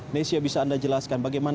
nesya bisa anda jelaskan bagaimana